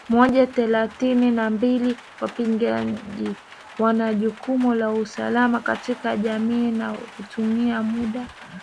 moja thelathini na mbili Wapiganaji wana jukumu la usalama katika jamii na hutumia muda